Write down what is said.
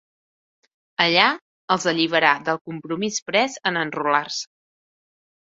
Allà els alliberarà del compromís pres en enrolar-se.